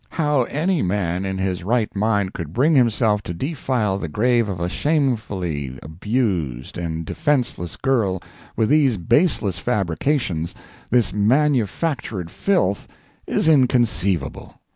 How any man in his right mind could bring himself to defile the grave of a shamefully abused and defenseless girl with these baseless fabrications, this manufactured filth, is inconceivable.